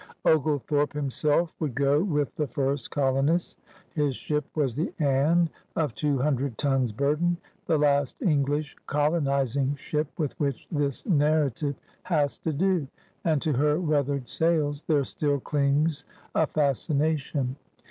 Oglethorpe himself would go with the first colo nists. His ship was the Anne of two himdred tons burden — the last English colonizing ship with which this narrative has to (Jo — and to her weathered sails there still clings a fascination.